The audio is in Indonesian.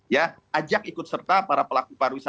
ya ajak ikut serta para pelaku pariwisata